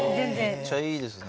めっちゃいいですね。